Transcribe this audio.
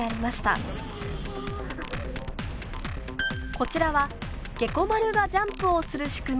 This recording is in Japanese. こちらはゲコ丸がジャンプをする仕組み。